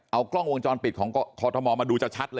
เอากล้องวงจรปิดของคอทมมาดูจะชัดเลย